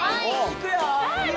いくよ！